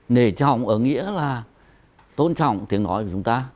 nể trọng ở nghĩa là tôn trọng tiếng nói của chúng ta